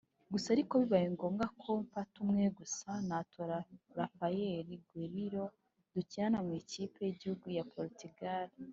gusa ariko bibaye ngombwa ko mfata umwe gusa natora Raphael Guerreiro dukinana mu ikipe y’igihugu ya Portugal